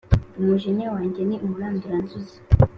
Umujinya wanjye ni umuranduranzuzi